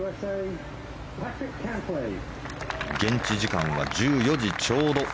現地時間は１４時ちょうど。